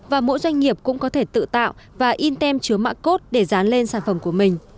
và mỗi doanh nghiệp cũng có thể tự tạo và in tem chứa mã cốt để dán lên sản phẩm của mình